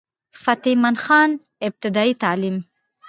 فتح مند خان ابتدائي تعليم